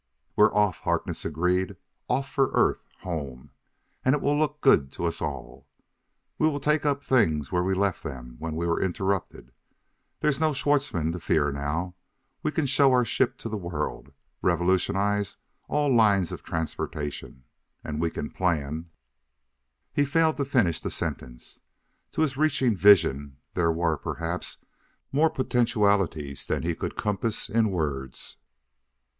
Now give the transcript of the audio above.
"We're off!" Harkness agreed. "Off for Earth home! And it will look good to us all. We will take up things where we left them when we were interrupted: there's no Schwartzmann to fear now. We can show our ship to the world revolutionize all lines of transportation; and we can plan " He failed to finish the sentence. To his reaching vision there were, perhaps, more potentialities than he could compass in words.